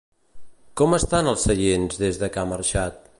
Com estan els seients, des que ha marxat?